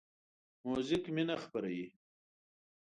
موزیک مینه خپروي.